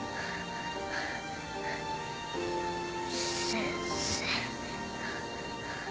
先生。